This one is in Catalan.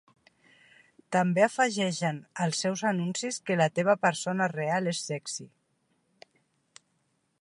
També afegeixen als seus anuncis que La teva persona real és sexy.